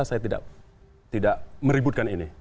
saya tidak meributkan ini